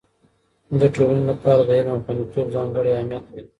د ټولنې لپاره د علم خوندیتوب ځانګړی اهميت لري.